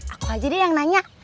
aku aja deh yang nanya